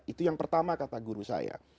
itu yang pertama kata guru saya